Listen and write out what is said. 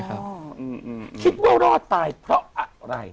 คิดว่ารอดตายเพราะอะไร